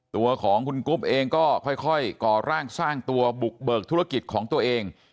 ตัวของคุณกุ๊บเองก็ค่อยก่อร่างสร้างตัวบุกเบิกธุรกิจของตัวเอง